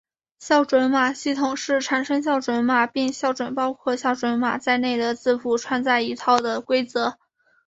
校验码系统是产生校验码并校验包括校验码在内的字符串的一套规则。